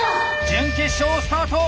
準決勝スタート！